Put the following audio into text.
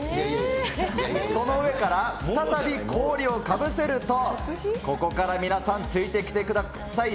その上から、再び氷をかぶせると、ここから皆さん、ついてきてください。